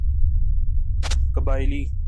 قبائلی